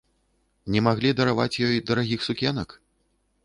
Не маглі дараваць ёй дарагіх сукенак?